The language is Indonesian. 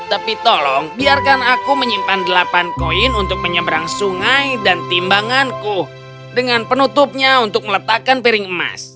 tapi tolong biarkan aku menyimpan delapan koin untuk menyeberang sungai dan timbanganku dengan penutupnya untuk meletakkan piring emas